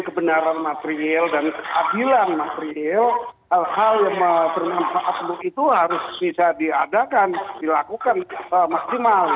kebenaran material dan keadilan materiel hal hal yang bermanfaat untuk itu harus bisa diadakan dilakukan maksimal